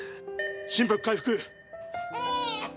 心拍回復